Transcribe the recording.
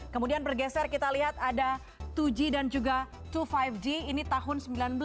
kemudian bergeser kita lihat ada dua g dan juga dua lima g ini tahun seribu sembilan ratus sembilan puluh